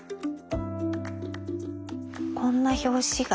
こんな表紙が。